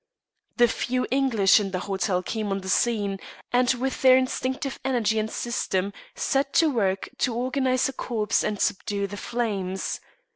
The few English in the hotel came on the scene, and with their instinctive energy and system set to work to organise a corps and subdue the flames.